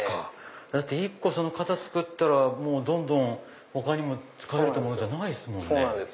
だって１個型作ったらどんどん他にも使えるものじゃないですもんね。